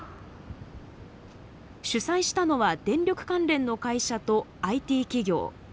主催したのは電力関連の会社とＩＴ企業。